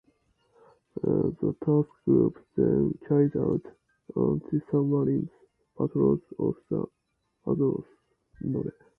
The task group then carried out antisubmarine patrols off the Azores.